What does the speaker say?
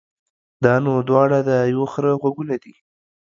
دا نو دواړه د يوه خره غوږونه دي.